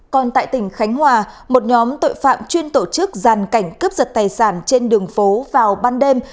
còn tại tỉnh khánh hòa một nhóm tội phạm chuyên tổ chức giàn cảnh cướp giật tài sản trên đường phố vào ban đêm